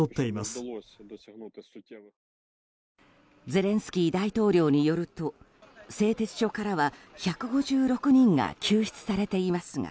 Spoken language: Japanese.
ゼレンスキー大統領によると製鉄所からは１５６人が救出されていますが